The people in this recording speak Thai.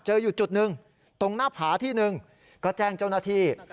อยู่จุดหนึ่งตรงหน้าผาที่หนึ่งก็แจ้งเจ้าหน้าที่